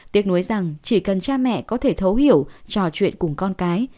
tiếc nuối rằng chỉ cần cha mẹ có thể thấu hiểu trò chuyện cùng con cái